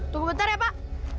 tunggu bentar ya pak